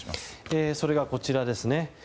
それがこちらです。